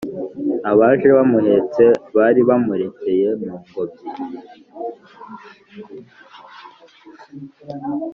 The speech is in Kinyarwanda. abaje bamuhetse baribamurekeye mungobyi